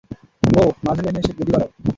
বোহ, মাঝের লেনে এসে গতি বাড়াও!